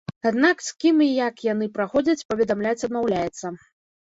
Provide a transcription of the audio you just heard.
Аднак з кім і як яны праходзяць, паведамляць адмаўляецца.